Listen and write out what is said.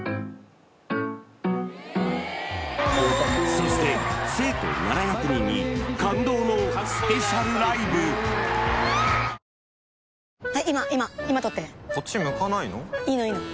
そして生徒７００人に感動のスペシャルライブうまいでしょふふふ